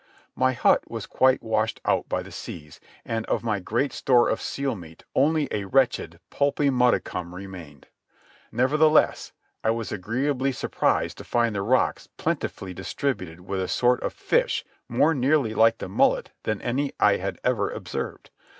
My hut was quite washed out by the seas, and of my great store of seal meat only a wretched, pulpy modicum remained. Nevertheless I was agreeably surprised to find the rocks plentifully distributed with a sort of fish more nearly like the mullet than any I had ever observed.